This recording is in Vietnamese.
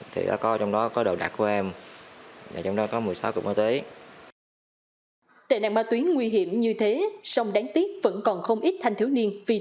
tệ nạn ma túy nguy hiểm như thế song đáng tiếc vẫn còn không ít thanh thiếu niên